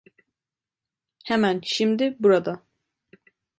Hemen şimdi burada